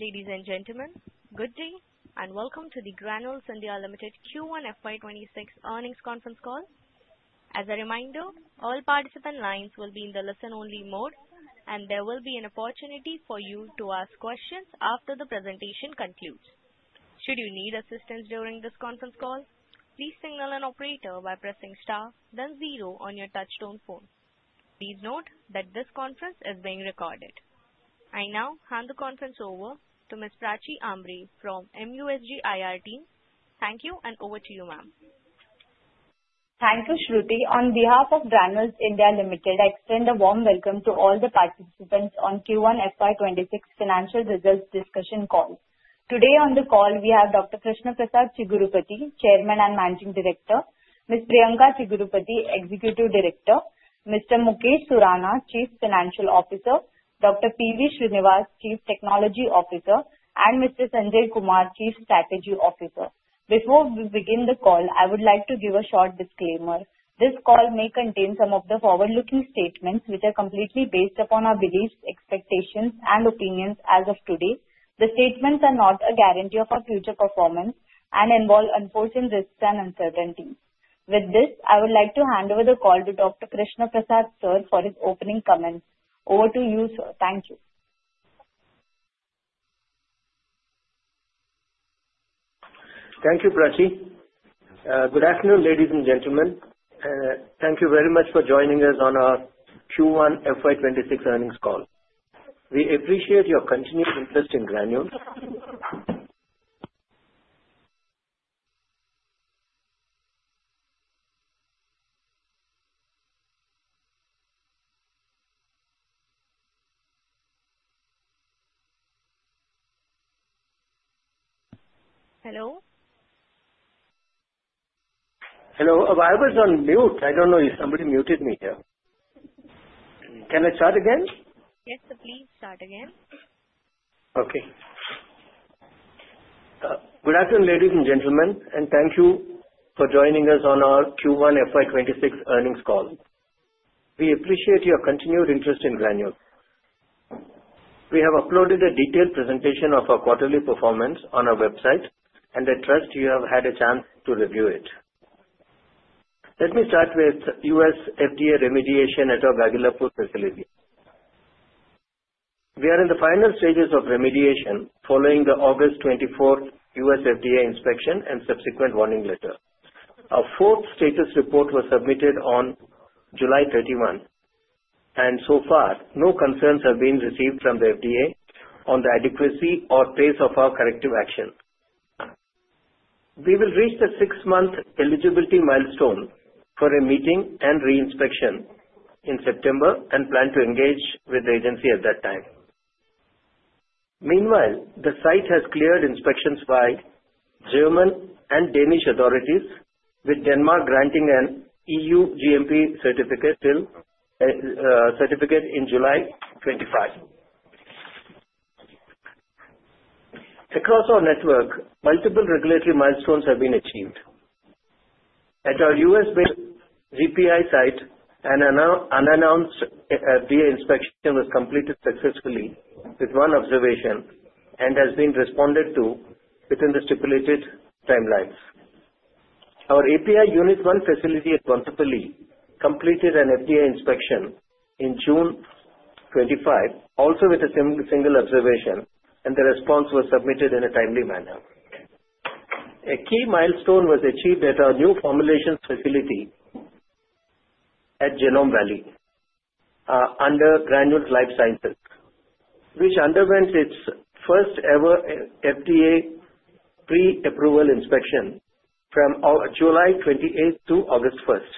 Ladies and gentlemen, good day and welcome to the Granules India Limited Q1 FY 2026 Earnings Conference Call. As a reminder, all participant lines will be in the listen-only mode, and there will be an opportunity for you to ask questions after the presentation concludes. Should you need assistance during this conference call, please signal an operator by pressing star, then zero on your touchtone phone. Please note that this conference is being recorded. I now hand the conference over to Ms. Prachi Ambre from MUFG IR team. Thank you and over to you, ma'am. Thank you, Shruti. On behalf of Granules India Limited, I extend a warm welcome to all the participants on Q1 FY 2026 Financial Results Discussion Call. Today on the call, we have Dr. Krishna Prasad Chigurupati, Chairman and Managing Director, Ms. Priyanka Chigurupati, Executive Director, Mr. Mukesh Surana, Chief Financial Officer, Dr. P.V. Srinivas, Chief Technology Officer, and Mr. Sanjay Kumar, Chief Strategy Officer. Before we begin the call, I would like to give a short disclaimer. This call may contain some of the forward-looking statements, which are completely based upon our beliefs, expectations, and opinions as of today. The statements are not a guarantee of our future performance and involve unforeseen risks and uncertainty. With this, I would like to hand over the call to Dr. Krishna Prasad, Sir, for his opening comments. Over to you, Sir. Thank you. Thank you, Prachi. Good afternoon, ladies and gentlemen. Thank you very much for joining us on our Q1 FY 2026 earnings call. We appreciate your continued interest in Granules India. Hello? Hello. I was on mute. I don't know if somebody muted me here. Can I start again? Yes, please start again. Okay. Good afternoon, ladies and gentlemen, and thank you for joining us on our Q1 FY 2026 Earnings Call. We appreciate your continued interest in Granules. We have uploaded a detailed presentation of our quarterly performance on our website, and I trust you have had a chance to review it. Let me start with U.S. FDA remediation at our Gagillapur facility. We are in the final stages of remediation following the August 2024 U.S. FDA inspection and subsequent warning letter. Our fourth status report was submitted on July 31, and so far, no concerns have been received from the FDA on the adequacy or pace of our corrective action. We will reach the six-month eligibility milestone for a meeting and re-inspection in September and plan to engage with the agency at that time. Meanwhile, the site has cleared inspections by German and Danish authorities, with Denmark granting an EU GMP certificate in July 2025. Across our network, multiple regulatory milestones have been achieved. At our U.S. GPI site, an unannounced FDA inspection was completed successfully with one observation and has been responded to within the stipulated timelines. Our API Unit-I facility at Bonthapally completed an FDA inspection in June 2025, also with a single observation, and the response was submitted in a timely manner. A key milestone was achieved at our new formulations facility at Genome Valley under Granules Life Sciences, which underwent its first-ever FDA pre-approval inspection from July 28 to August 1st.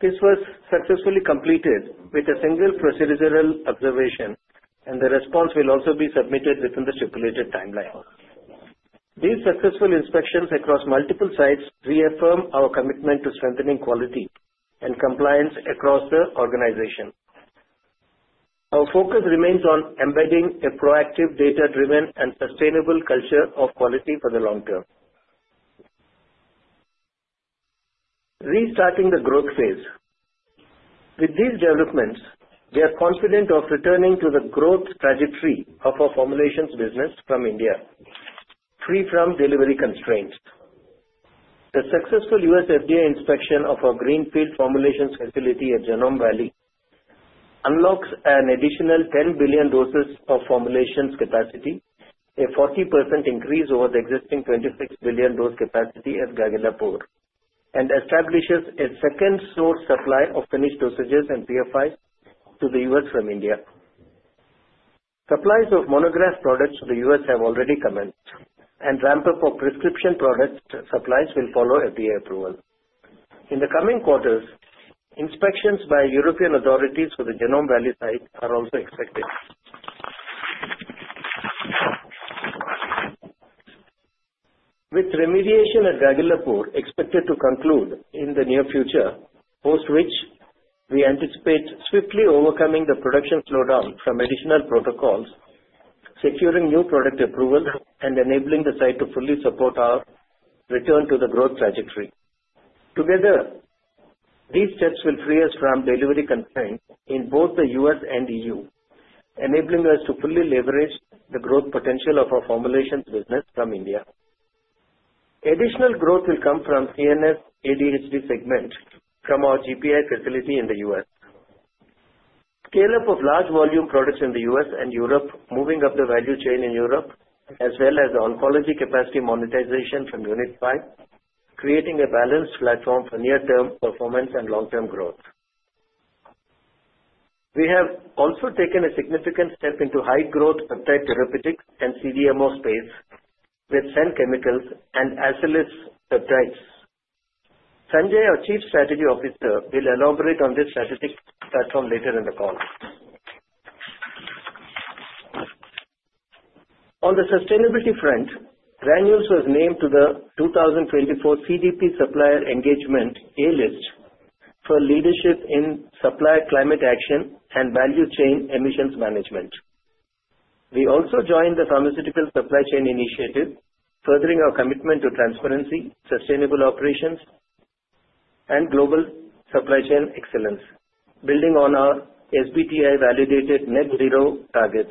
This was successfully completed with a single procedural observation, and the response will also be submitted within the stipulated timeline. These successful inspections across multiple sites reaffirm our commitment to strengthening quality and compliance across the organization. Our focus remains on embedding a proactive, data-driven, and sustainable culture of quality for the long term. Restarting the growth phase. With these developments, we are confident of returning to the growth trajectory of our formulations business from India, free from delivery constraints. The successful U.S. FDA inspection of our Greenfield Formulations facility at Genome Valley unlocks an additional 10 billion doses of formulations capacity, a 40% increase over the existing 26 billion dose capacity at Gagillapur, and establishes a second source supply of finished dosages and PFIs to the U.S. from India. Supplies of monograph products to the U.S. have already commenced, and ramp-up of prescription product supplies will follow FDA approval. In the coming quarters, inspections by European authorities for the Genome Valley site are also expected. With remediation at Gagillapur expected to conclude in the near future, post which we anticipate swiftly overcoming the production slowdown from additional protocols, securing new product approval, and enabling the site to fully support our return to the growth trajectory. Together, these steps will free us from delivery constraints in both the U.S. and EU, enabling us to fully leverage the growth potential of our formulations business from India. Additional growth will come from CNS ADHD segments from our GPI facility in the U.S. Scale-up of large volume products in the U.S. and Europe, moving up the value chain in Europe, as well as oncology capacity monetization from Unit-V, creating a balanced platform for near-term performance and long-term growth. We have also taken a significant step into high-growth peptide therapeutic and CDMO space with Senn Chemicals AG and Ascelis Peptides. Sanjay,, our Chief Strategy Officer, will elaborate on this strategic platform later in the call. On the sustainability front, Granules India Limited was named to the 2024 CDP Supplier Engagement A-list for leadership in supplier climate action and value chain emissions management. We also joined the Pharmaceutical Supply Chain Initiative, furthering our commitment to transparency, sustainable operations, and global supply chain excellence, building on our SBTi-validated net-zero targets.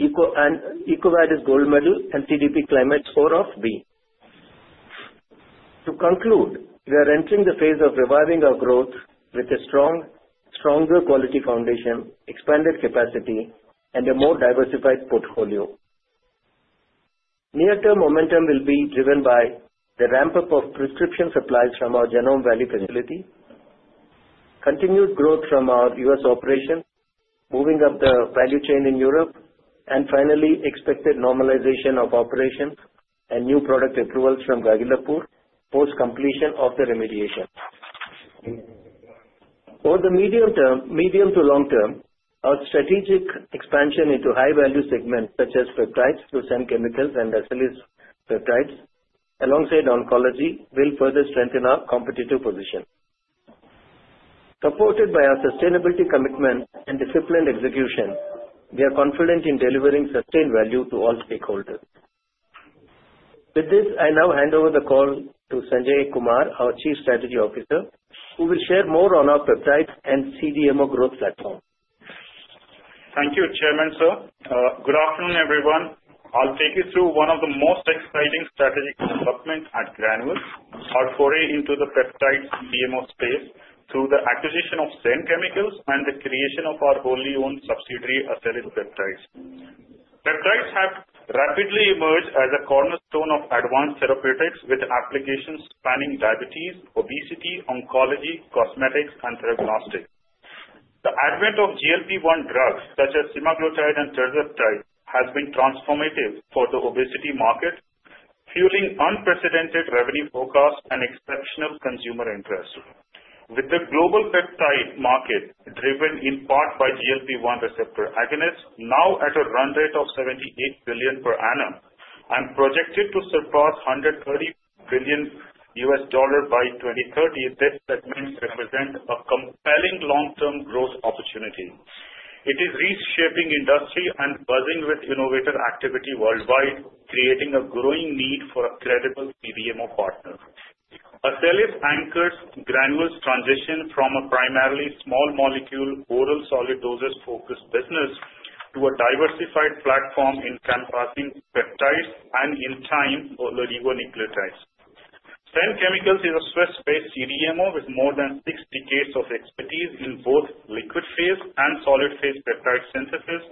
EcoVadis gold medal and CDP Climate score of B. To conclude, we are entering the phase of reviving our growth with a stronger quality foundation, expanded capacity, and a more diversified portfolio. Near-term momentum will be driven by the ramp-up of prescription supplies from our Genome Valley facility, continued growth from our U.S. operations, moving up the value chain in Europe, and finally, expected normalization of operations and new product approvals from Gagillapur post completion of the remediation. For the medium to long term, our strategic expansion into high-value segments such as peptides through Senn Chemicals and Ascelis Peptides, alongside oncology, will further strengthen our competitive position. Supported by our sustainability commitment and disciplined execution, we are confident in delivering sustained value to all stakeholders. With this, I now hand over the call to Sanjay Kumar, our Chief Strategy Officer, who will share more on our peptides and CDMO growth platform. Thank you, Chairman, Sir. Good afternoon, everyone. I'll take you through one of the most exciting strategic developments at Granules, our foray into the peptide and CDMO space through the acquisition of Senn Chemicals and the creation of our wholly owned subsidiary Ascelis Peptides. Peptides have rapidly emerged as a cornerstone of advanced therapeutics with applications spanning diabetes, obesity, oncology, cosmetics, and therapeutic plastics. The advent of GLP-1 drugs, such as semaglutide and tirzepatide, has been transformative for the obesity market, fueling unprecedented revenue forecasts and exceptional consumer interest. With the global peptide market driven in part by GLP-1 receptor agonists, now at a run rate of $78 billion per annum, and projected to surpass $130 billion by 2030, this does represent a compelling long-term growth opportunity. It is reshaping industry and buzzing with innovative activity worldwide, creating a growing need for a credible CDMO partner. Ascelis anchors Granules' transition from a primarily small molecule oral solid dosage-focused business to a diversified platform in compacting peptides and enzymes or oligonucleotides. Senn Chemicals is a first-stage CDMO with more than six decades of expertise in both liquid-phase and solid-phase peptide synthesis,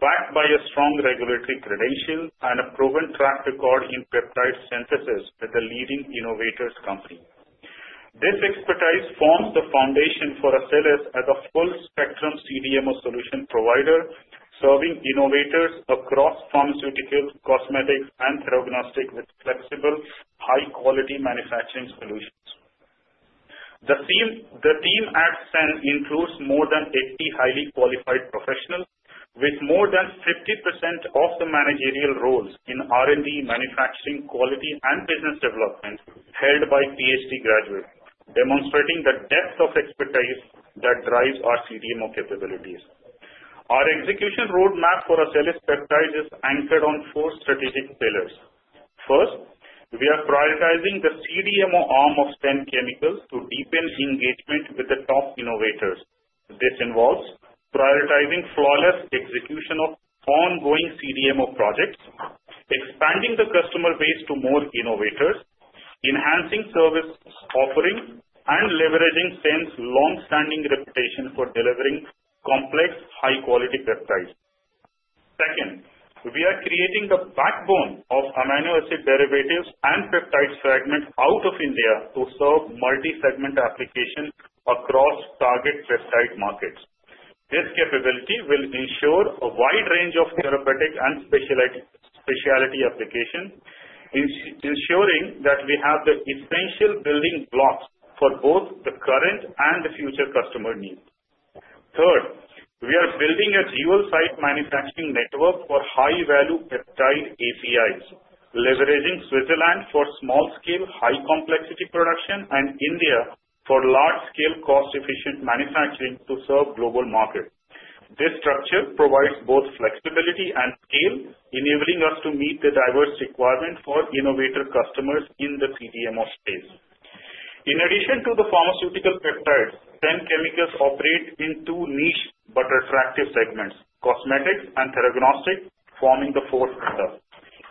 backed by a strong regulatory credential and a proven track record in peptide synthesis as a leading innovator's company. This expertise forms the foundation for Ascelis as a full-spectrum CDMO solution provider, serving innovators across pharmaceutical, cosmetics, and therapeutic plastics with flexible, high-quality manufacturing solutions. The team at Senn includes more than 80 highly qualified professionals, with more than 50% of the managerial roles in R&D, manufacturing, quality, and business development, headed by PhD graduates, demonstrating the depth of expertise that drives our CDMO capabilities. Our execution roadmap for Ascelis Peptides is anchored on four strategic pillars. First, we are prioritizing the CDMO arm of Senn Chemicals to deepen engagement with the top innovators. This involves prioritizing flawless execution of ongoing CDMO projects, expanding the customer base to more innovators, enhancing service offerings, and leveraging Senn's long-standing reputation for delivering complex, high-quality peptides. Second, we are creating the backbone of amino acid derivatives and peptide fragments out of India to serve multi-segment application across target peptide markets. This capability will ensure a wide range of therapeutic and specialty applications, ensuring that we have the essential building blocks for both the current and the future customer needs. Third, we are building a dual-site manufacturing network for high-value peptide APIs, leveraging Switzerland for small-scale, high-complexity production and India for large-scale, cost-efficient manufacturing to serve global markets. This structure provides both flexibility and scale, enabling us to meet the diverse requirements for innovator customers in the CDMO space. In addition to the pharmaceutical peptides, Senn Chemicals operates in two niche but attractive segments: cosmetics and therapeutic plastics, forming the fourth pillar.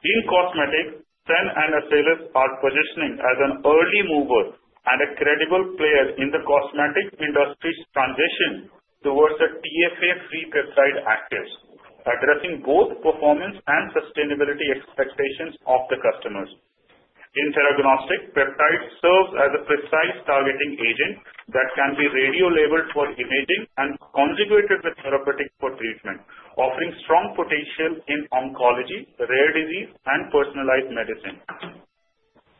In cosmetics, Senn and Ascelis are positioning as an early mover and a credible player in the cosmetic industry's transition towards the TFA-free peptide access, addressing both performance and sustainability expectations of the customers. In therapeutic plastics, peptides serve as a precise targeting agent that can be radio-labeled for imaging and conjugated with therapeutic drug treatment, offering strong potential in oncology, rare disease, and personalized medicine.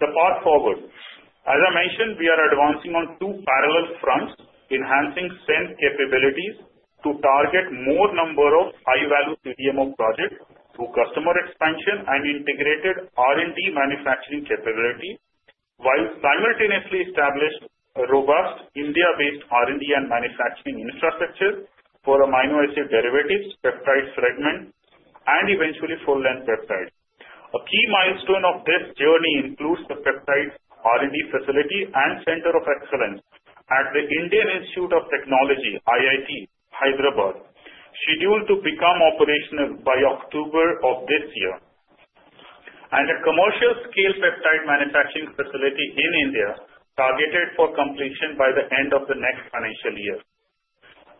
The path forward. As I mentioned, we are advancing on two parallel fronts, enhancing Senn capabilities to target more number of high-value CDMO projects through customer expansion and integrated R&D manufacturing capability, while simultaneously establishing a robust India-based R&D and manufacturing infrastructure for amino acid derivatives, peptide fragments, and eventually full-length peptides. A key milestone of this journey includes the peptide R&D facility and center of excellence at the Indian Institute of Technology, IIT Hyderabad, scheduled to become operational by October of this year, and a commercial-scale peptide manufacturing facility in India targeted for completion by the end of the next financial year.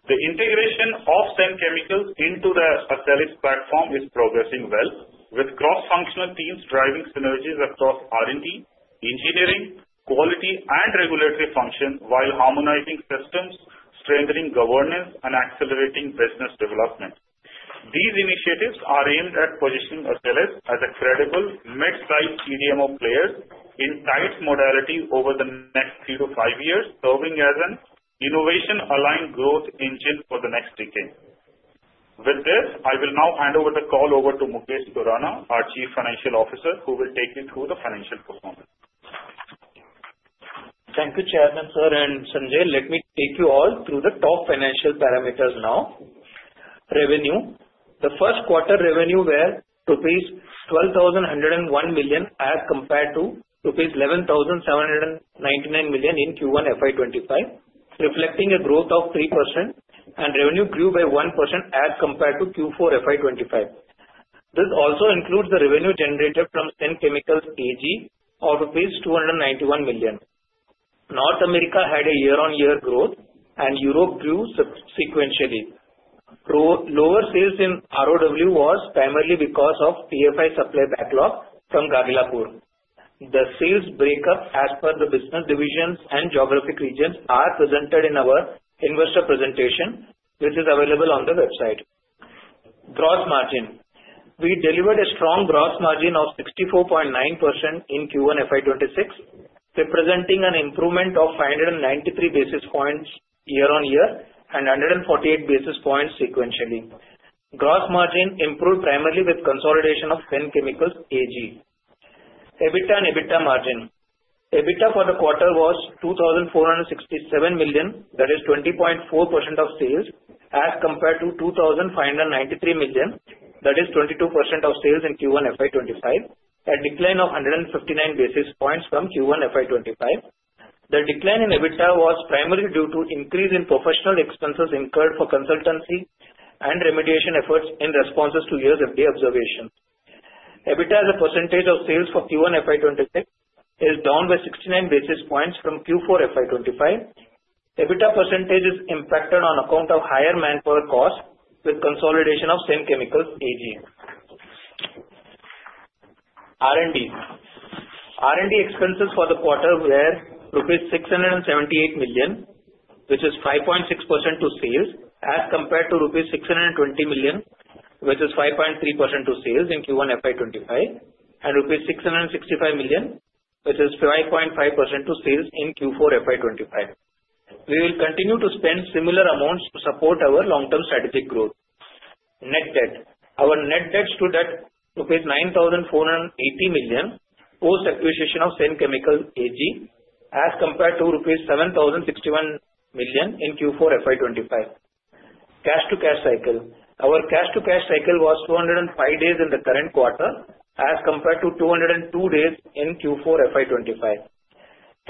The integration of Senn Chemicals into the Ascelis platform is progressing well, with cross-functional teams driving synergies across R&D, engineering, quality, and regulatory functions, while harmonizing systems, strengthening governance, and accelerating business development. These initiatives are aimed at positioning Ascelis Peptides as a credible, mid-sized CDMO player in tight modality over the next three to five years, serving as an innovation-aligned growth engine for the next decade. With this, I will now hand over the call to Mukesh Surana, our Chief Financial Officer, who will take you through the financial performance. Thank you, Chairman, Sir, and Sanjay. Let me take you all through the top financial parameters now. Revenue. The first quarter revenue was 12,101 million as compared to rupees 11,799 million in Q1 FY 2025, reflecting a growth of 3%, and revenue grew by 1% as compared to Q4 FY 2025. This also includes the revenue generated from Senn Chemicals AG of 291 million. North America had a year-on-year growth, and Europe grew sequentially. Lower sales in ROW was primarily because of PFI supply backlog from Gagillapur. The sales breakup as per the business divisions and geographic regions are presented in our investor presentation, which is available on the website. Gross margin. We delivered a strong gross margin of 64.9% in Q1 FY 2026, representing an improvement of 593 basis points year-on-year and 148 basis points sequentially. Gross margin improved primarily with consolidation of Senn Chemicals AG. EBITDA and EBITDA margin. EBITDA for the quarter was 2,467 million. That is 20.4% of sales as compared to 2,593 million. That is 22% of sales in Q1 FY 2025, a decline of 159 basis points from Q1 FY 2025. The decline in EBITDA was primarily due to an increase in professional expenses incurred for consultancy and remediation efforts in responses to your observation. EBITDA as a percentage of sales for Q1 FY 2026 is down by 69 basis points from Q4 FY 2025. EBITDA percentage is impacted on account of higher manpower costs with consolidation of Senn Chemicals AG. R&D. R&D expenses for the quarter were rupees 678 million, which is 5.6% to sales as compared to rupees 620 million, which is 5.3% to sales in Q1 FY 2025, and rupees 665 million, which is 5.5% to sales in Q4 FY 2025. We will continue to spend similar amounts to support our long-term strategic growth. Net debt. Our net debt stood at 9,480 million post-acquisition of Senn Chemicals AG as compared to rupees 7,061 million in Q4 FY 2025. Cash-to-cash cycle. Our cash-to-cash cycle was 205 days in the current quarter as compared to 202 days in Q4 FY 2025.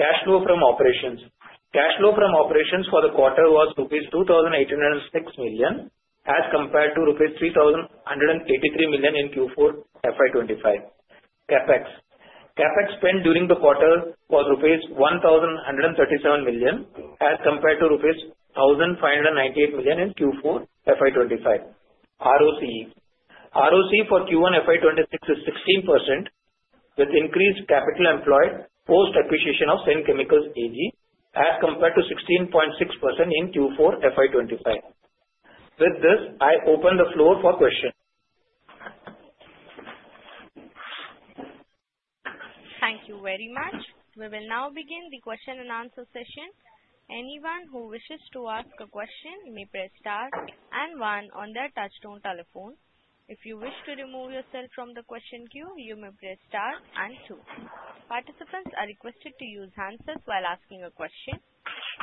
Cash flow from operations. Cash flow from operations for the quarter was rupees 2,806 million as compared to rupees 3,183 million in Q4 FY 2025. CapEx. CapEx spent during the quarter was rupees 1,137 million as compared to rupees 1,598 million in Q4 FY 2025. ROC. ROC for Q1 FY 2026 is 16% with increased capital employed post-acquisition of Senn Chemicals AG as compared to 16.6% in Q4 FY 2025. With this, I open the floor for questions. Thank you very much. We will now begin the question and answer session. Anyone who wishes to ask a question may press star and one on their touchtone telephone. If you wish to remove yourself from the question queue, you may press star and two. Participants are requested to use handsets while asking a question.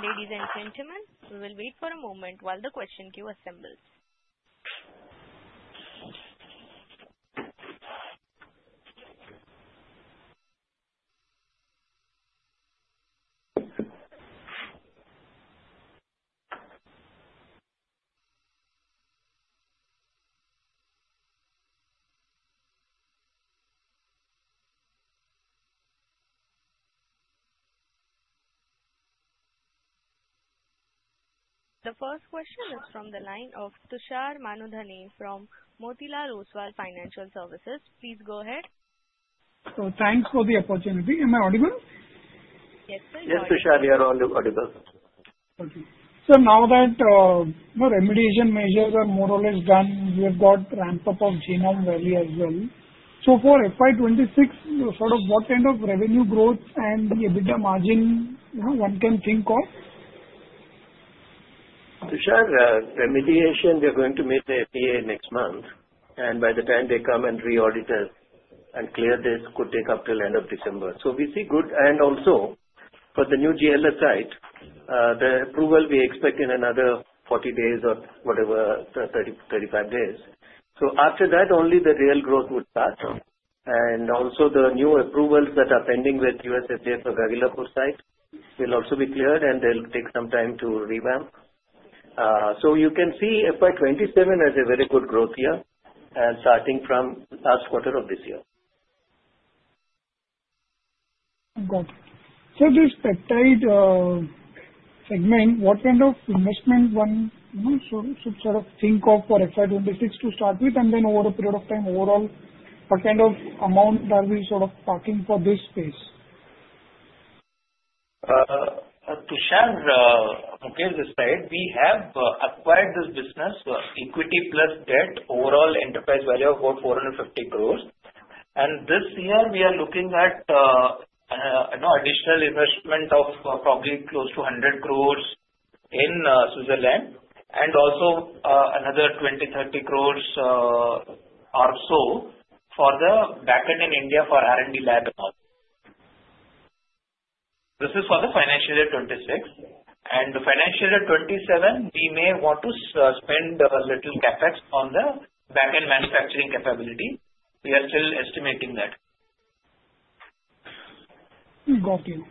Ladies and gentlemen, we will wait for a moment while the question queue assembles. The first question is from the line of Tushar Manudhane from Motilal Oswal Financial Services. Please go ahead. Thank you for the opportunity. Am I audible? Yes, Tushar? Yes, Tushar here on the audio bus. Okay. Sir, now that the remediation measures are more or less done, we've got ramp-up of Genome Valley as well. For FY 2026, you sort of what kind of revenue growth and the EBITDA margin, you know, one can think of? Tushar, remediation, they're going to meet the U.S. FDA next month. By the time they come and re-audit us and clear this, it could take up till the end of December. We see good. Also, for the new GLS site, the approval we expect in another 30, 35, or 40 days. After that, only the real growth would start. The new approvals that are pending with U.S. FDA for Gagillapur site will also be cleared, and they'll take some time to revamp. You can see FY 2027 as a very good growth year, starting from the last quarter of this year. I'm glad. Sir, this peptide segment, what kind of investment one should sort of think of for FY 2026 to start with, and then over a period of time overall, what kind of amount are we sort of talking for this space? Okay, this side, we have acquired this business equity plus debt, overall enterprise value of about 450 crore. This year, we are looking at an additional investment of probably close to 100 crore in Switzerland and also another 20 crore-30 crore or so for the backend in India for R&D lab. This is for the financial year 2026. For the financial year 2027, we may want to spend a little CapEx on the backend manufacturing capability. We are still estimating that. Got you.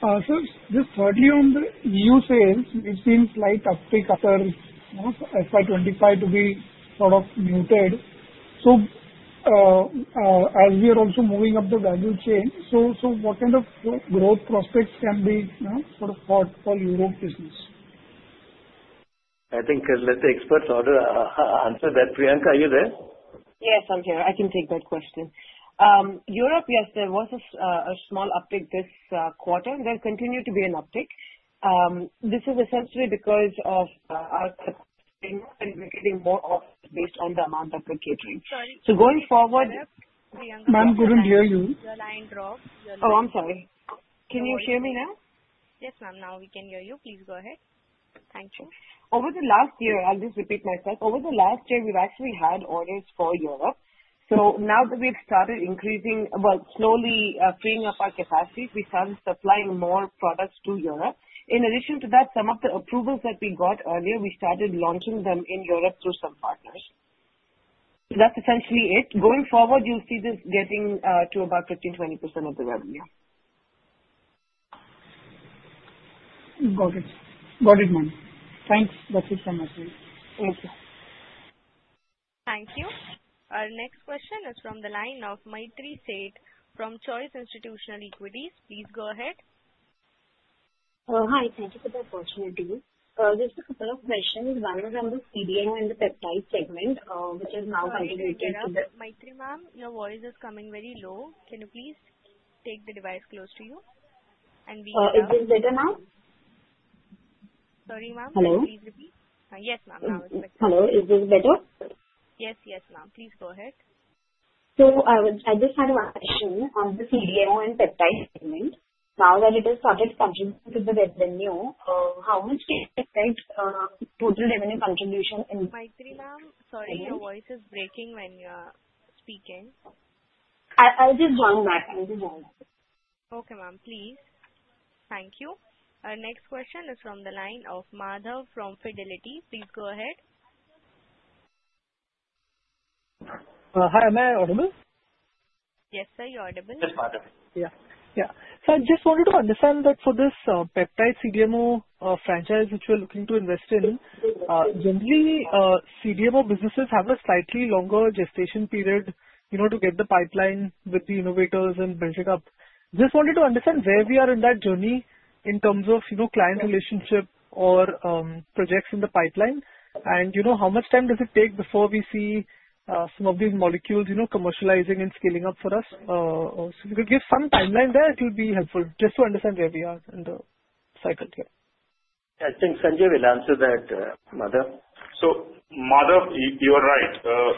Sir, just further on the Europe sales, we've seen slight uptake, upper FY 2025 to be sort of muted. As we are also moving up the value chain, what kind of growth prospects can be sort of thought for Europe's business? I think let the experts answer that. Priyanka, are you there? Yes, I'm here. I can take that question. Europe, yes, there was a small uptake this quarter. There continued to be an uptake. This is essentially because of our investing more based on the amount of procurement. Sorry. Going forward. Yep. Priyanka. Ma'am, we couldn't hear you. Oh, I'm sorry. Can you hear me now? Yes, ma'am. Now we can hear you. Please go ahead. Thank you. Over the last year, we've actually had orders for Europe. Now that we've started increasing, slowly freeing up our capacities, we started supplying more products to Europe. In addition to that, some of the approvals that we got earlier, we started launching them in Europe through some partners. That's essentially it. Going forward, you'll see this getting to about 15%-20% of the revenue. Got it. Got it, ma'am. Thanks, that's it so much. Thank you. Thank you. Our next question is from the line of Maitri Sheth from Choice Institutional Equities. Please go ahead. Hi. Thank you for the opportunity. This is a question regarding the CDMO in the peptide segment, which is now highly rated. Maitri, ma'am, your voice is coming very low. Can you please take the device close to you? Is this better now? Sorry, ma'am. Hello. Please repeat. Yes, ma'am. Now it's better. Hello. Is this better? Yes. Yes, ma'am. Please go ahead. I was at the start of action on the CDMO and peptide segment. Now that it has started coming to the revenue, how much peptide total revenue contribution? Maitri, ma'am, sorry, your voice is breaking when you're speaking. I'll just join that. Maybe one. Okay, ma'am, please. Thank you. Our next question is from the line of Madhav from Fidelity. Please go ahead. Hi, am I audible? Yes, sir, you're audible. Yes, Madhav. Yeah. I just wanted to understand that for this peptide CDMO franchise, which we're looking to invest in, generally, CDMO businesses have a slightly longer gestation period, you know, to get the pipeline with the innovators and building up. I just wanted to understand where we are in that journey in terms of, you know, client relationship or projects in the pipeline. You know, how much time does it take before we see some of these molecules, you know, commercializing and scaling up for us? If you could give some timeline there, it will be helpful just to understand where we are in the cycle here. I think Sanjay will answer that, Madhav. Madhav, you're right.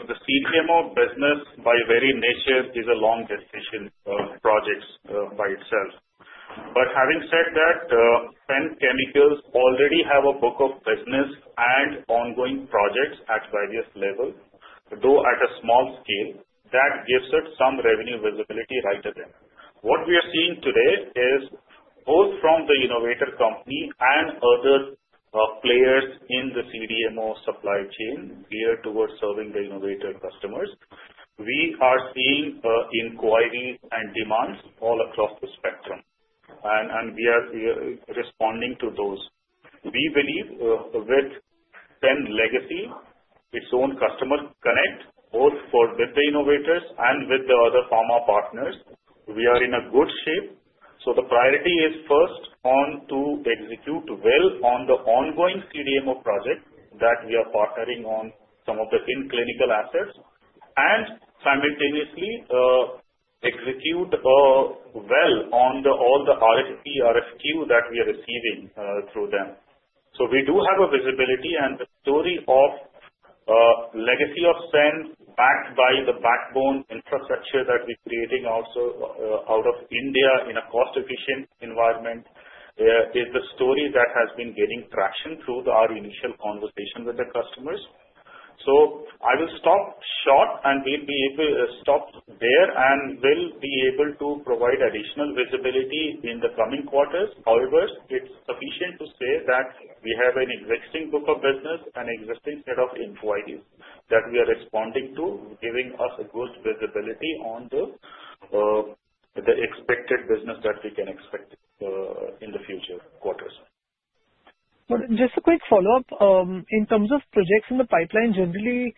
The CDMO business, by very nature, is a long-gestation project by itself. Having said that, Senn Chemicals already has a book of business and ongoing projects at various levels, though at a small scale, that gives it some revenue visibility right away. What we are seeing today is both from the innovator companies and other players in the CDMO supply chain geared towards serving the innovator customers. We are seeing inquiries and demands all across the spectrum, and we are responding to those. We believe with Senn legacy, its own customer connect, both with the innovators and with the other pharma partners, we are in good shape. The priority is first to execute well on the ongoing CDMO project that we are partnering on, some of the in-clinical assets, and simultaneously execute well on all the RFP, RFQ that we are receiving through them. We do have visibility and a story of the legacy of Senn backed by the backbone infrastructure that we're creating also out of India in a cost-efficient environment. This is the story that has been getting traction through our initial conversation with the customers. I will stop short there and will be able to provide additional visibility in the coming quarters. However, it's sufficient to say that we have an existing book of business and an existing set of inquiries that we are responding to, giving us good visibility on the expected business that we can expect in the future quarters. Just a quick follow-up. In terms of projects in the pipeline, generally,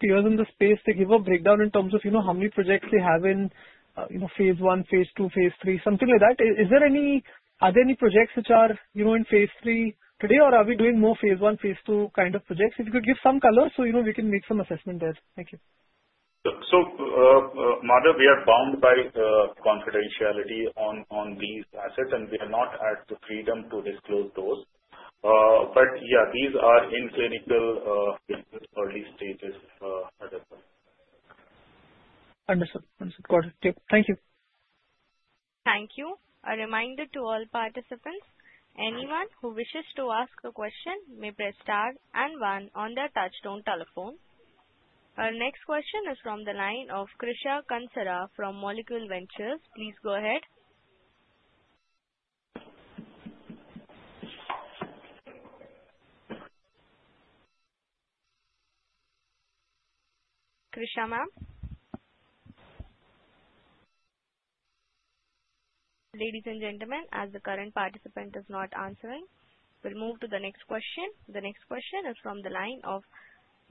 peers in the space give a breakdown in terms of how many projects they have in phase one, phase two, phase three, something like that. Are there any projects which are in phase three today, or are we doing more phase one, phase two kind of projects? If you could give some color so we can make some assessment there. Thank you. Madhav, we are bound by confidentiality on these assets, and we are not at the freedom to disclose those. Yeah, these are in clinical early stages at that point. Understood. Understood. Got it. Thank you. Thank you. A reminder to all participants, anyone who wishes to ask a question may press star and one on their touchtone telephone. Our next question is from the line of Krisha Kansara from Molecule Ventures. Please go ahead. Krisha, ma'am. Ladies and gentlemen, as the current participant is not answering, we'll move to the next question. The next question is from the line of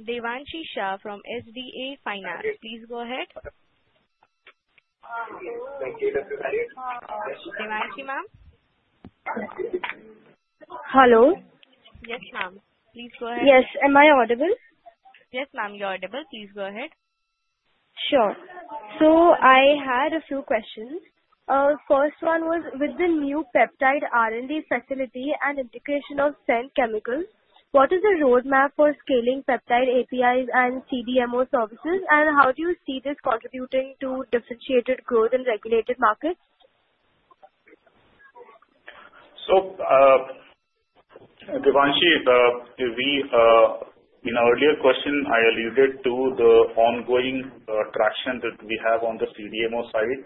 Devanshi Shah from SDA Finance. Please go ahead. Devanshi, ma'am? Hello? Yes, ma'am. Please go ahead. Yes, am I audible? Yes, ma'am, you're audible. Please go ahead. Sure. I had a few questions. First one was with the new peptide R&D facility and integration of Senn Chemicals, what is the roadmap for scaling peptide APIs and CDMO services, and how do you see this contributing to differentiated growth in regulated markets? Devanshi, in our earlier question, I alluded to the ongoing traction that we have on the CDMO side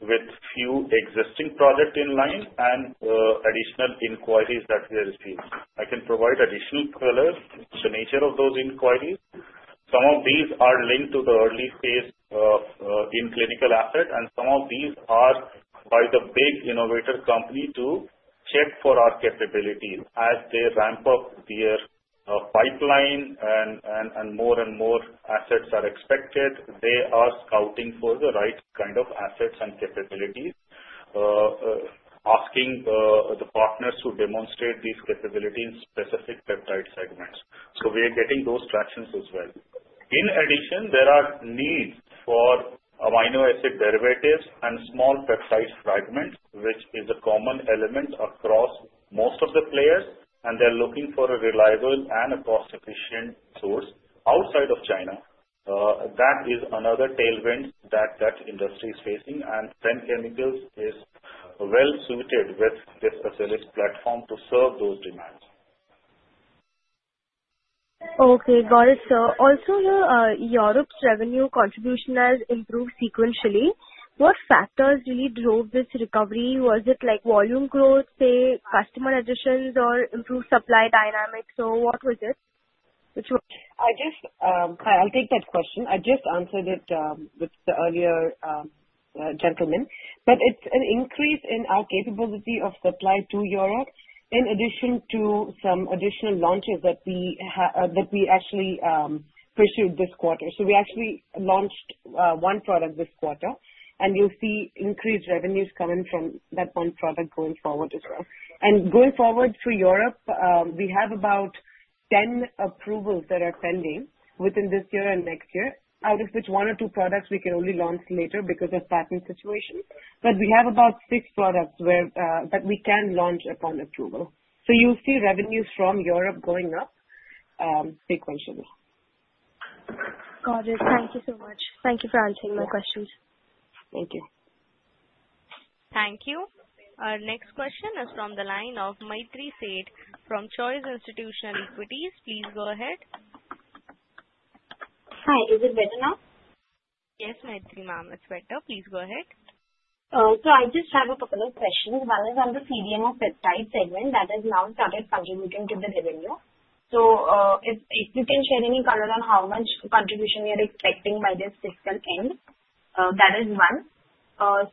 with a few existing projects in line and additional inquiries that we received. I can provide additional color to the nature of those inquiries. Some of these are linked to the early phase in clinical assets, and some of these are quite a big innovator company to check for our capability as they ramp up their pipeline and more and more assets are expected. They are scouting for the right kind of assets and capabilities, asking the partners to demonstrate these capabilities in specific peptide segments. We're getting those tractions as well. In addition, there are needs for amino acid derivatives and small peptide fragments, which is a common element across most of the players, and they're looking for a reliable and a cost-efficient source outside of China. That is another tailwind that the industry is facing, and Senn Chemicals is well-suited with this facility platform to serve those demands. Okay. Got it, sir. Also, your Europe’s revenue contribution has improved sequentially. What factors really drove this recovery? Was it like volume growth, customer additions, or improved supply dynamics? What was it? Which was? I'll take that question. I just answered it with the earlier gentleman. It's an increase in our capability of supply to Europe in addition to some additional launches that we have that we actually pursued this quarter. We actually launched one product this quarter, and you'll see increased revenues coming from that one product going forward as well. Going forward through Europe, we have about 10 approvals that are pending within this year and next year, out of which one or two products we can only launch later because of the patent situation. We have about six products that we can launch upon approval. You'll see revenues from Europe going up sequentially. Got it. Thank you so much. Thank you for answering my questions. Thank you. Thank you. Our next question is from the line of Maitri Sheth from Choice Institutional Equities. Please go ahead. Hi. Is it better now? Yes, Maitri, ma'am, it's better. Please go ahead. I just have a couple of questions. One is on the CDMO peptide segment that is now started contributing to the revenue. If you can share any color on how much contribution we are expecting by this fiscal end, that is one.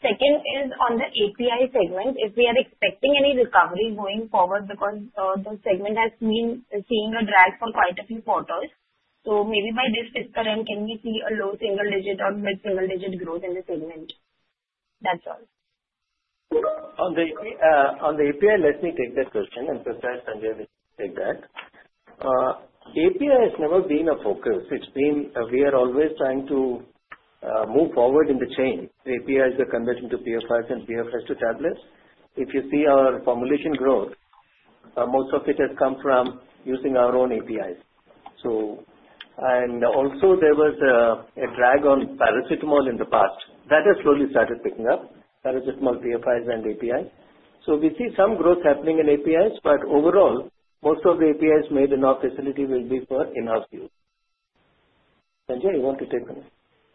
Second is on the API segment. If we are expecting any recovery going forward because the segment has been seeing a drag for quite a few quarters. Maybe by this fiscal end, can we see a low single-digit or mid-single-digit growth in the segment? That's all. On the API, let me take that question. Tushar and Sanjay will take that. API has never been a focus. We are always trying to move forward in the chain. APIs are converting to PFIs and PFIs to tablets. If you see our formulation growth, most of it has come from using our own APIs. There was a drag on paracetamol in the past. That has slowly started picking up, paracetamol, PFIs, and API. We see some growth happening in APIs, but overall, most of the APIs made in our facility will be for in-house use. Sanjay, you want to take the next?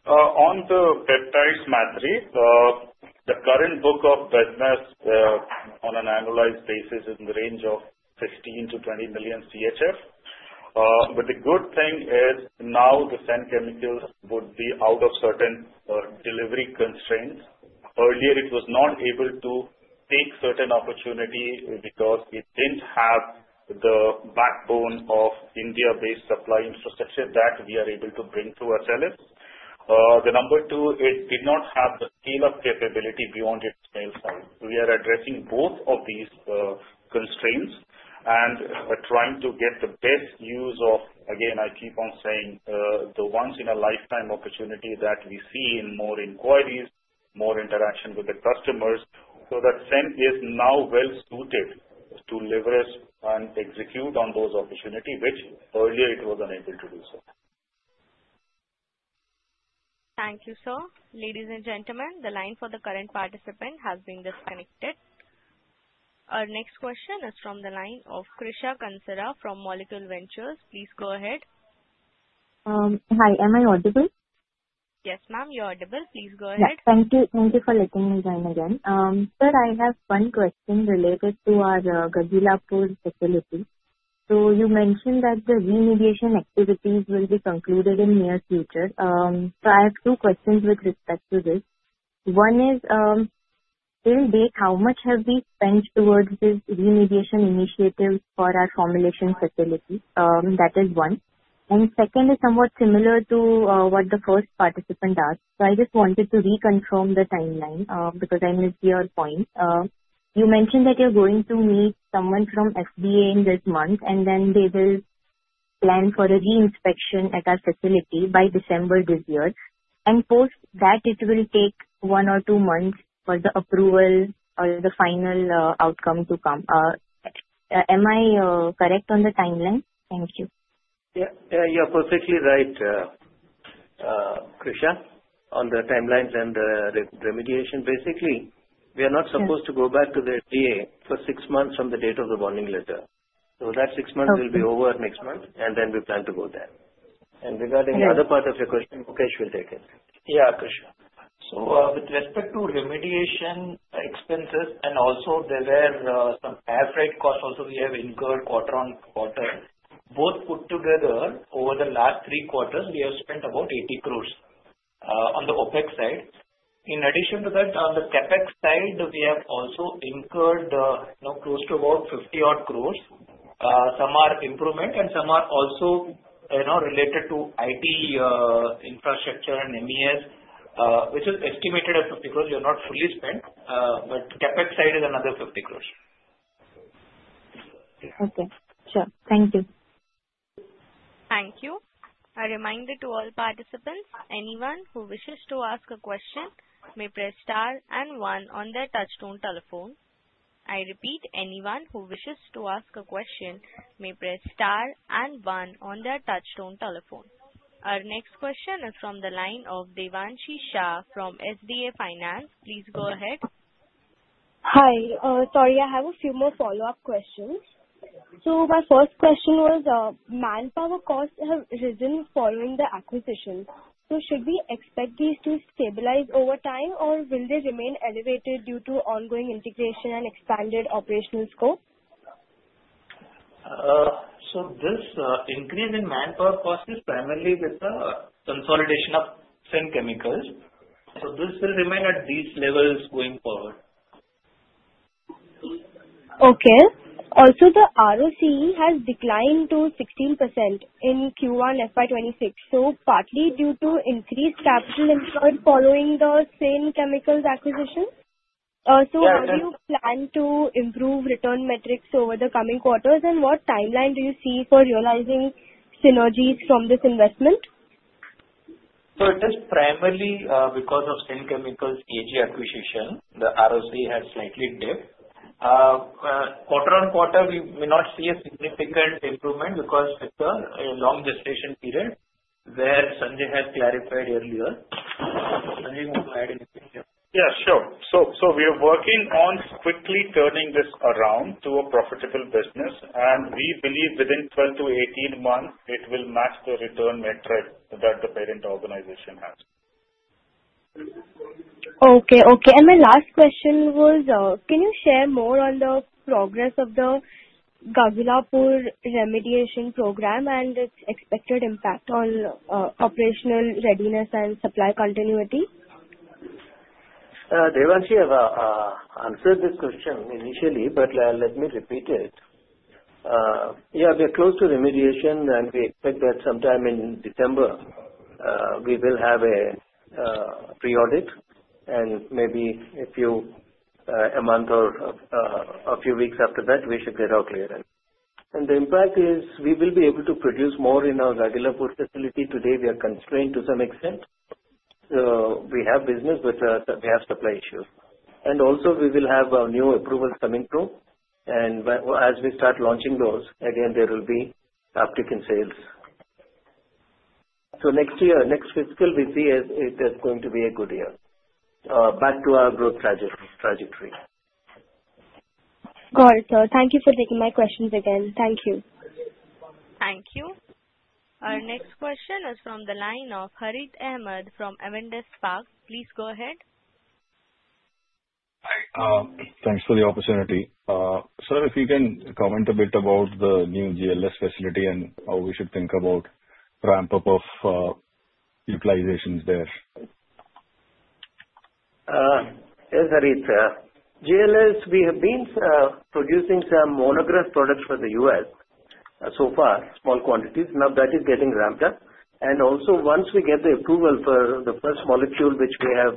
On the peptides, Maitri, the current book of business on an annualized basis is in the range of 15 million-20 million CHF. The good thing is now Senn Chemicals AG would be out of certain delivery constraints. Earlier, it was not able to take certain opportunity because it didn't have the backbone of India-based supply infrastructure that we are able to bring to our channels. Number two, it did not have the scale-up capability beyond its scale size. We are addressing both of these constraints and trying to get the best use of, again, I keep on saying, the once-in-a-lifetime opportunity that we see in more inquiries, more interaction with the customers so that Senn is now well-suited to leverage and execute on those opportunities, which earlier it was unable to do so. Thank you, sir. Ladies and gentlemen, the line for the current participant has been disconnected. Our next question is from the line of Krisha Kansara from Molecule Ventures. Please go ahead. Hi, am I audible? Yes, ma'am, you're audible. Please go ahead. Thank you. Thank you for letting me join again. Sir, I have one question related to our Gagillapur facility. You mentioned that the remediation activities will be concluded in the near future. I have two questions with respect to this. One is, till date, how much have we spent towards this remediation initiative for our formulation facility? That is one. Second is somewhat similar to what the first participant asked. I just wanted to reconfirm the timeline because I missed your point. You mentioned that you're going to meet someone from the U.S. FDA in this month, and they will plan for a re-inspection at our facility by December this year. Post that, it will take one or two months for the approval or the final outcome to come. Am I correct on the timeline? Thank you. Yeah, you're perfectly right, Krishna, on the timelines and the remediation. Basically, we are not supposed to go back to the U.S. FDA for six months from the date of the warning letter. That six months will be over next month, and then we plan to go there. Regarding the other part of your question, Mukesh will take it. Yeah, Krishna. With respect to remediation expenses, and also there were some airfreight costs also we have incurred quarter on quarter. Both put together over the last three quarters, we have spent about 80 crore on the OpEx side. In addition to that, on the CapEx side, we have also incurred close to about 50-odd crore. Some are improvements, and some are also, you know, related to IT infrastructure and MES, which is estimated at 50 crore. We are not fully spent, but CapEx side is another 50 crore. Okay, sure. Thank you. Thank you. A reminder to all participants, anyone who wishes to ask a question may press star and one on their touchtone telephone. I repeat, anyone who wishes to ask a question may press star and one on their touchtone telephone. Our next question is from the line of Devanshi Shah from SDA Finance. Please go ahead. Hi, sorry, I have a few more follow-up questions. My first question was, manpower costs have risen following the acquisition. Should we expect these to stabilize over time, or will they remain elevated due to ongoing integration and expanded operational scope? This increase in manpower cost is primarily with the consolidation of Senn Chemicals. This will remain at these levels going forward. Okay. Also, the ROC has declined to 16% in Q1 FY 2026, partly due to increased capital inflow following the Senn Chemicals acquisition. Do you plan to improve return metrics over the coming quarters, and what timeline do you see for realizing synergies from this investment? It is primarily because of Senn Chemicals AG acquisition. The ROC has slightly dipped. Quarter-on-quarter, we may not see a significant improvement because it's a long gestation period, where Sanjay had clarified earlier. Sanjay, you want to add anything? Yeah, sure. We are working on quickly turning this around to a profitable business, and we believe within 12 months-18 months, it will match the return metric that the parent organization has. Okay. Okay. My last question was, can you share more on the progress of the Gagillapur remediation program and its expected impact on operational readiness and supply continuity? Devanshi, I've answered this question initially, but let me repeat it. Yeah, we are close to remediation, and we expect that sometime in December, we will have a pre-audit, and maybe a few months or a few weeks after that, we should get our clearance. The impact is we will be able to produce more in our Gagillapur facility. Today, we are constrained to some extent. We have business, but we have supply issues. We will have our new approvals coming through. As we start launching those, again, there will be uptick in sales. Next year, next fiscal, we see it is going to be a good year. Back to our growth trajectory. Got it, sir. Thank you for taking my questions again. Thank you. Thank you. Our next question is from the line of Harith Ahamed from Avendus Spark. Please go ahead. Thanks for the opportunity. Sir, if you can comment a bit about the new GLS facility and how we should think about ramp-up of utilizations there. Yes, Harith. GLS, we have been producing some monograph products for the U.S. so far, small quantities. Now that is getting ramped up. Also, once we get the approval for the first molecule, which we have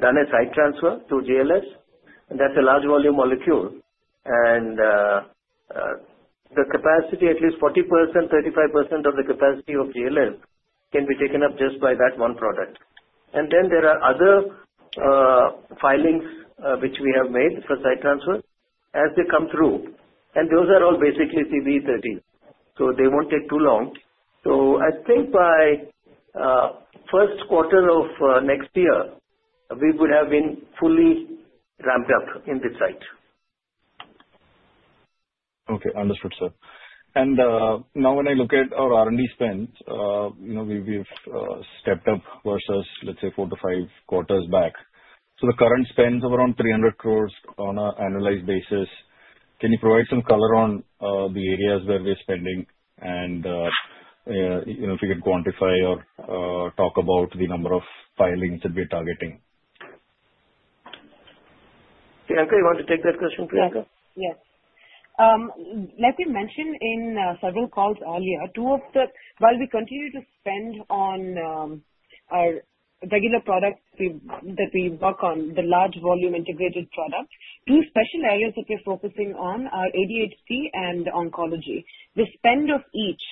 done a site transfer to Granules Life Sciences, that's a large volume molecule. The capacity, at least 40%, 35% of the capacity of Granules Life Sciences can be taken up just by that one product. There are other filings which we have made for site transfer as they come through. Those are all basically CV30, so they won't take too long. I think by the first quarter of next year, we would have been fully ramped up in this site. Okay. Understood, sir. Now when I look at our R&D spend, you know, we've stepped up versus, let's say, four to five quarters back. The current spend is around 300 crore on an annualized basis. Can you provide some color on the areas where we're spending and, you know, if you could quantify or talk about the number of filings that we're targeting? Priyanka, you want to take that question, Priyanka? Yeah. Like we mentioned in several calls earlier, while we continue to spend on our regular products that we work on, the large volume integrated products, two special areas that we're focusing on are ADHD and oncology. The spend of each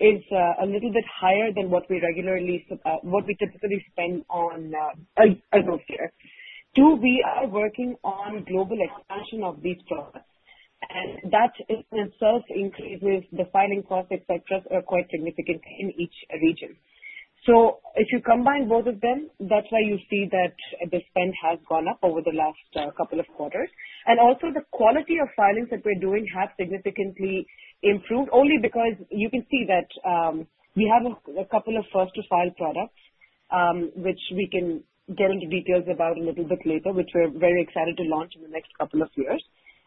is a little bit higher than what we typically spend on healthcare. We are working on global expansion of these products, and that in itself increases the filing costs, etc., quite significantly in each region. If you combine both of them, that's why you see that the spend has gone up over the last couple of quarters. Also, the quality of filings that we're doing has significantly improved only because you can see that we have a couple of first-to-file products, which we can get into details about a little bit later, which we're very excited to launch in the next couple of years.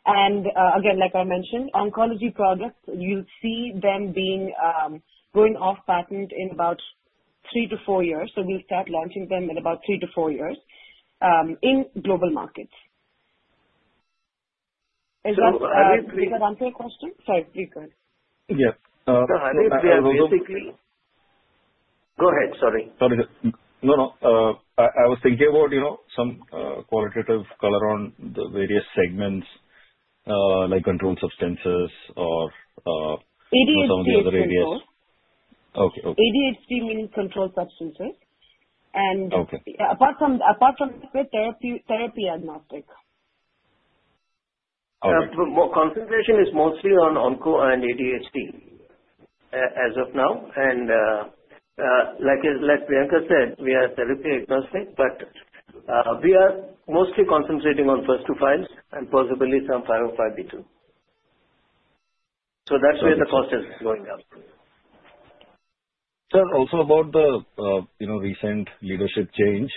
Again, like I mentioned, oncology products, you'll see them going off patent in about three to four years. We'll start launching them in about three to four years in global markets. So. Is that answering the question? Sorry, please go ahead. Yeah. Go ahead. Sorry. I was thinking about, you know, some qualitative color on the various segments, like controlled substances or what's on the other areas? ADHD meaning controlled substances, and apart from therapy, therapy agnostic. Concentration is mostly on onco and ADHD as of now. Like Priyanka said, we are therapy agnostic, but we are mostly concentrating on first-to-files and possibly some final five beta. That's where the cost is going up. Sir, also about the recent leadership change,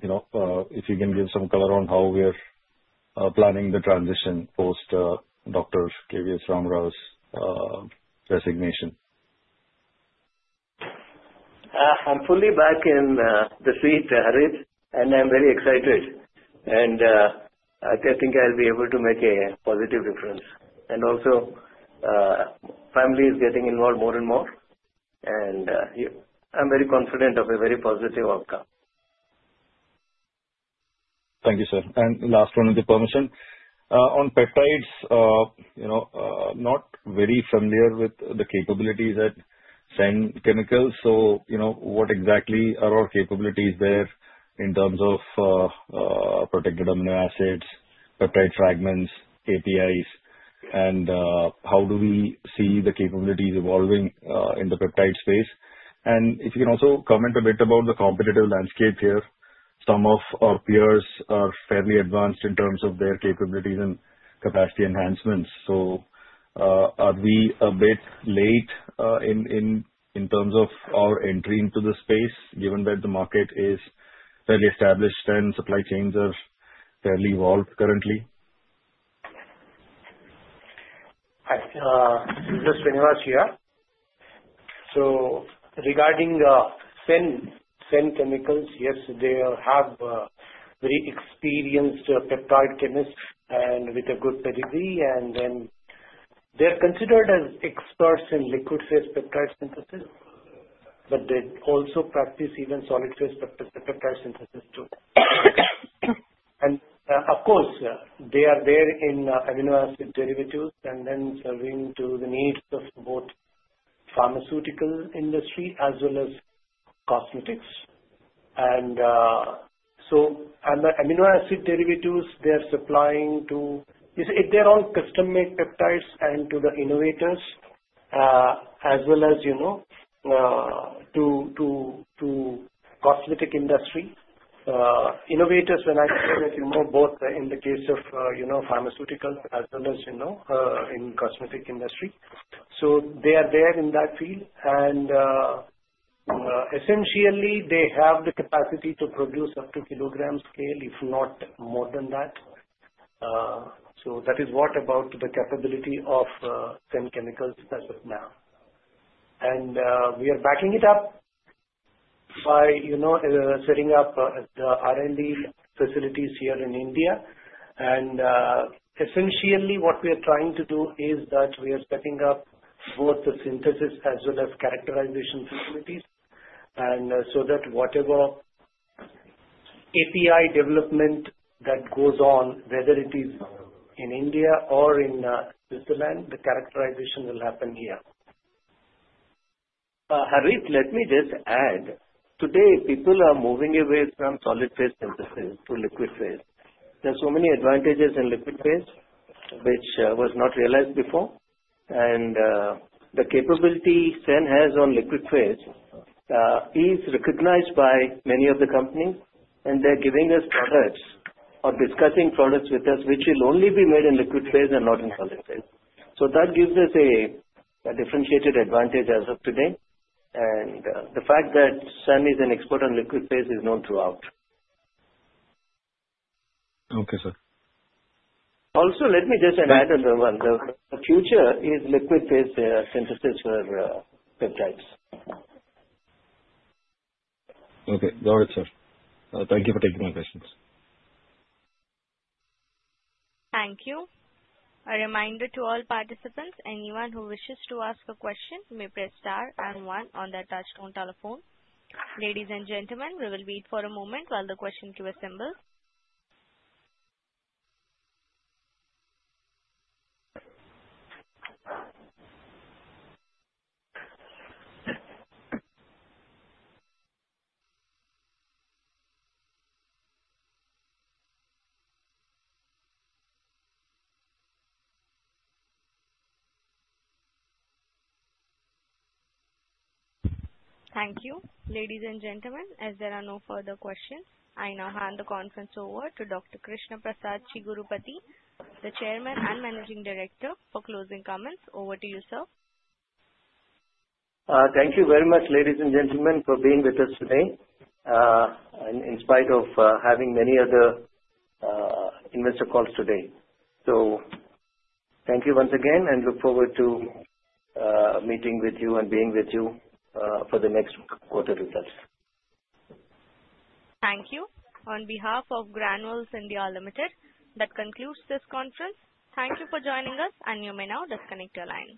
if you can give some color on how we're planning the transition post Dr. K.V.S. Ram Rao's resignation. I'm fully back in the seat, Harith, and I'm very excited. I think I'll be able to make a positive difference. Also, family is getting involved more and more. I'm very confident of a very positive outcome. Thank you, sir. Last one, with your permission, on peptides, you know, not very familiar with the capabilities at Senn Chemical. Wshat exactly are our capabilities there in terms of protected amino acids, peptide fragments, APIs, and how do we see the capabilities evolving in the peptide space? If you can also comment a bit about the competitive landscape here. Some of our peers are fairly advanced in terms of their capabilities and capacity enhancements. Are we a bit late in terms of our entry into the space given that the market is fairly established and supply chains are fairly evolved currently? Hi. Mr. Srinivas here. Regarding Senn Chemicals, yes, they have very experienced peptide chemists with a good pedigree. They're considered as experts in liquid-phase peptide synthesis, but they also practice solid-phase peptide synthesis too. They are there in amino acid derivatives and serving the needs of both the pharmaceutical industry as well as cosmetics. The amino acid derivatives, they're supplying on custom-made peptides to the innovators, as well as to the cosmetic industry. Innovators, when I talk with, both in the case of pharmaceutical as well as in the cosmetic industry. They are there in that field. Essentially, they have the capacity to produce up to kilogram scale, if not more than that. That is what about the capability of Senn Chemicals as of now. We are backing it up by setting up the R&D facilities here in India. Essentially, what we are trying to do is that we are setting up both the synthesis as well as characterization facilities, so that whatever API development that goes on, whether it is in India or in Switzerland, the characterization will happen here. Harith, let me just add. Today, people are moving away from solid-phase synthesis to liquid-phase. There are so many advantages in liquid-phase, which was not realized before. The capability Senn has on liquid-phase is recognized by many of the companies, and they're giving us products or discussing products with us, which will only be made in liquid-phase and not in solid-phase. That gives us a differentiated advantage as of today. The fact that Senn is an expert on liquid-phase is known throughout. Okay, sir. Also, let me just add another one. The future is liquid-phase peptide synthesis for peptides. Okay. Got it, sir. Thank you for taking my questions. Thank you. A reminder to all participants, anyone who wishes to ask a question may press star and one on their touchtone telephone. Ladies and gentlemen, we will wait for a moment while the question queue assembles. Thank you. Ladies and gentlemen, as there are no further questions, I now hand the conference over to Dr. Krishna Prasad Chigurupati, the Chairman and Managing Director, for closing comments. Over to yourself. Thank you very much, ladies and gentlemen, for being with us today, in spite of having many other investor calls today. Thank you once again and look forward to meeting with you and being with you for the next quarter results. Thank you. On behalf of Granules India Limited, that concludes this conference. Thank you for joining us, and you may now disconnect your lines.